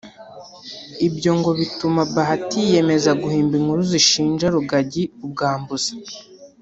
ibyo ngo bituma Bahati yiyemeza guhimba inkuru zishinja Rugagi ubwambuzi